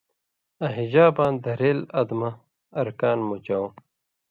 آں حَجاں دھرېل ادمہ (ارکان) مُچاؤ